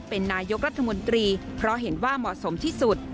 เป็นนายกรัฐมนตรีเพราะเห็นว่าเหมาะสมที่สุด